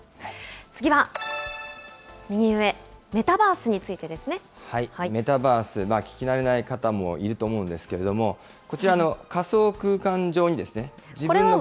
次は右上、メタバースについてでメタバース、聞き慣れない方もいると思うんですけれども、こちら、仮想空間上に自分の。